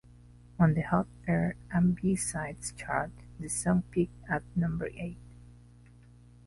On the Hot R and B Sides chart, the song peaked at number eight.